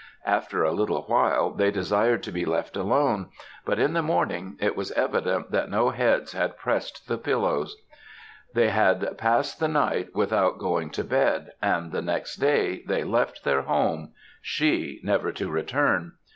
After a little while, they desired to be left alone, but in the morning it was evident that no heads had prest the pillows. They had past the night without going to bed, and the next day they left their home she never to return.